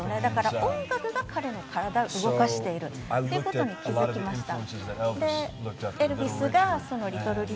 音楽が彼の体を動かしているということに気づきました。